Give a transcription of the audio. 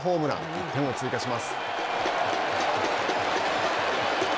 １点を追加します。